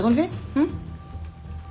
うん？